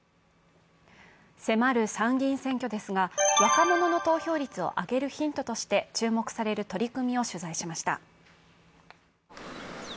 迫る参議院選挙ですが、若者の投票率を上げるヒントとして注目される取り組みを取材しました。